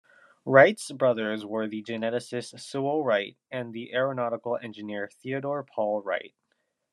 Wright's brothers were the geneticist Sewall Wright and the aeronautical engineer Theodore Paul Wright.